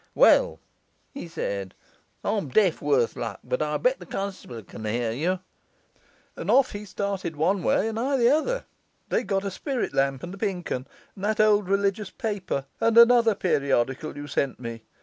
"Well," he said, "I'm deaf, worse luck, but I bet the constable can hear you." And off he started one way, and I the other. They got a spirit lamp and the Pink Un, and that old religious paper, and another periodical you sent me.